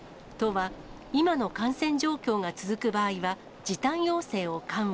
都は今の感染状況が続く場合は、時短要請を緩和。